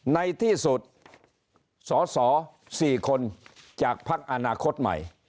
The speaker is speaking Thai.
ในที่สุดสอสอสี่คนจากภาคอนาคตใหม่